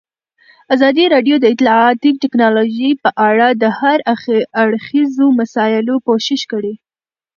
ازادي راډیو د اطلاعاتی تکنالوژي په اړه د هر اړخیزو مسایلو پوښښ کړی.